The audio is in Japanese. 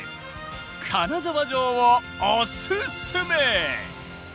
金沢城をおすすめ！